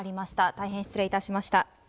大変失礼致しました。